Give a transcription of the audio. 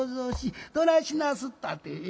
どないしなすったってえ？